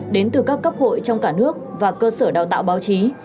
đến từ các cấp hội trong cả nước và cơ sở đào tạo báo chí